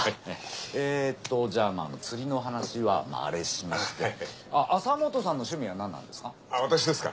えっとじゃあまあ釣りの話はあれしましてあっ朝本さんの趣味は何なんですか？